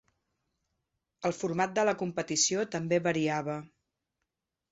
El format de la competició també variava.